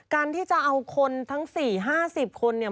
การที่จะเอาคนทั้ง๔๕๐คนเนี่ย